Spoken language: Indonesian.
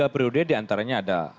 tiga periode diantaranya ada